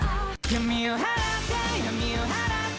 「闇を祓って闇を祓って」